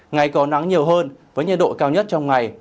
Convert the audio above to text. ngày có nắng nhiều hơn với nhiệt độ cao nhất trong ngày